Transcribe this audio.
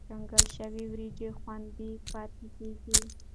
کنګل شوې وریجې خوندي پاتې کېږي.